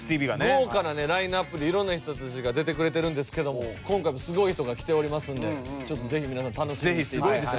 豪華なねラインアップで色んな人たちが出てくれてるんですけども今回もすごい人が来ておりますのでちょっとぜひ皆さん楽しみにして頂きたいと思います。